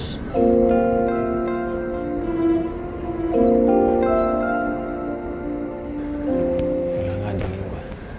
hilang aja nih gua